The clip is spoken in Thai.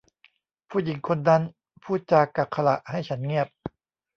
ผู้หญิงคนนั้นพูดจากักขฬะให้ฉันเงียบ